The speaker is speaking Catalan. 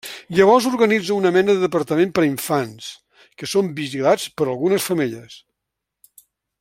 Llavors organitza una mena de departament per a infants, que són vigilats per algunes femelles.